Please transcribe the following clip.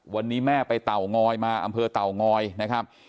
วันนี้แม่ไปเตางอยมาอำเภอเต่างอยนะครับ